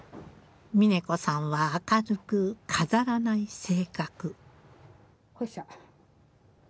峯子さんは明るく飾らない性格。